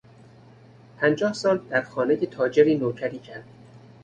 پنجاه سال در خانهی تاجری نوکری کرد.